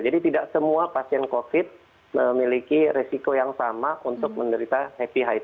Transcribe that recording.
jadi tidak semua pasien covid memiliki resiko yang sama untuk menderita covid